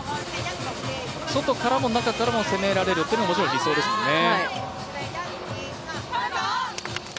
外からも中からも攻められるというのは理想ですもんね。